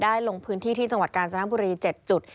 ลงพื้นที่ที่จังหวัดกาญจนบุรี๗จุด